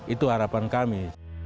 itu harapan kami